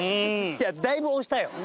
いやだいぶ押したよ。